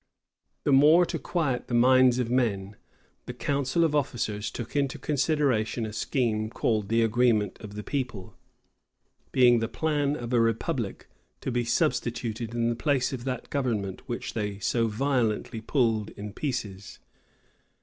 [*] The more to quiet the minds of men, the council of officers took into consideration a scheme called "the agreement of the people;" being the plan of a republic, to be substituted in the place of that government which they so violently pulled in pieces.